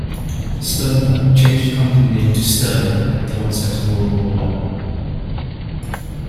Sternberg changed the company name to Sterling at the onset of World War One.